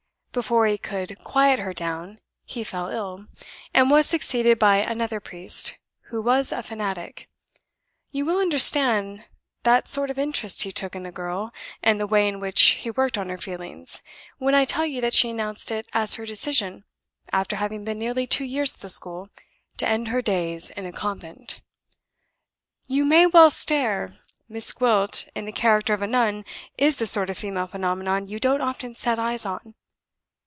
Before he could quiet her down, he fell ill, and was succeeded by another priest, who was a fanatic. You will understand the sort of interest he took in the girl, and the way in which he worked on her feelings, when I tell you that she announced it as her decision, after having been nearly two years at the school, to end her days in a convent! You may well stare! Miss Gwilt, in the character of a Nun, is the sort of female phenomenon you don't often set eyes on."